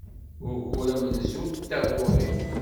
Ugur amenzu d taɣuri.